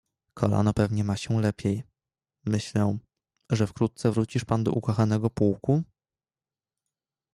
"Kolano pewnie ma się lepiej, myślę, że wkrótce wrócisz pan do ukochanego pułku?"